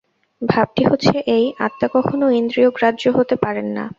ভাবটি হচ্ছে এই, আত্মা কখনও ইন্দ্রিয়গ্রাহ্য হতে পারেন না।